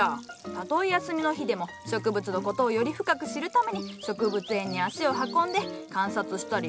たとえ休みの日でも植物の事をより深く知るために植物園に足を運んで観察したり勉強したり。